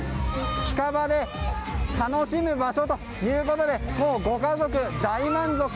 近場で楽しむ場所ということでご家族、大満足。